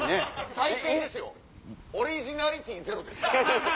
最低ですよオリジナリティーゼロです。